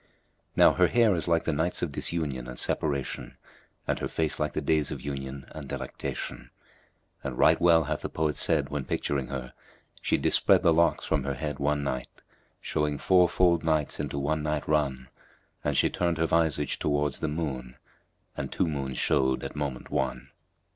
Now her hair is like the nights of disunion and separation and her face like the days of union and delectation; and right well hath the poet said when picturing her, 'She dispread the locks from her head one night, * Showing four fold nights into one night run And she turned her visage towards the moon, * And two moons showed at moment one.'